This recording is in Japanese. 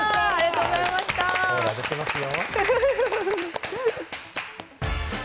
オーラ出てますよ。